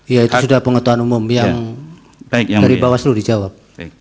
ya itu sudah pengetahuan umum yang dari bawaslu dijawab